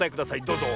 どうぞ！